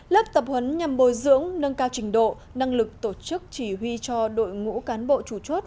lớp tập huấn nhằm bồi dưỡng nâng cao trình độ năng lực tổ chức chỉ huy cho đội ngũ cán bộ chủ chốt